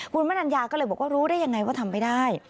คุณมนัญญาก็เลยบอกว่ารู้ได้ยังไงว่าทำไม่ได้